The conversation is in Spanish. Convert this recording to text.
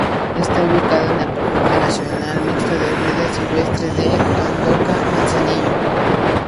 Está ubicado en el Refugio Nacional Mixto de Vida Silvestre de Gandoca-Manzanillo.